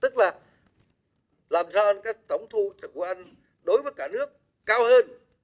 tức là làm sao tổng thu của anh đối với cả nước cao hơn